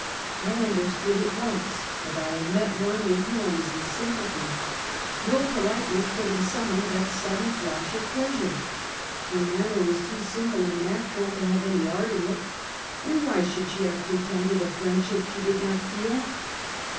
I understood at once that I had met one with whom I was in sympathy. 'No politeness could have sum moned that sudden flash of pleasure. Her manner was too simple and natural to have any art in it; and why should she have pretended a friendship she did not feel?